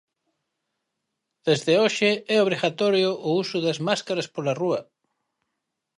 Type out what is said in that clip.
Desde hoxe é obrigatorio o uso das máscaras pola rúa.